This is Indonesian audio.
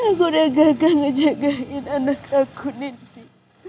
aku udah gagah ngejagain anak aku nanti